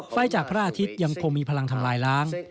ไฟจากพระอาทิตย์ยังคงมีพลังทำลายล้าง